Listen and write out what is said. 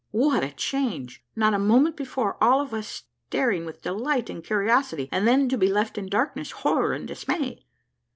What a change! not a moment before all of us staring with delight and curiosity, and then to be left in darkness, horror, and dismay!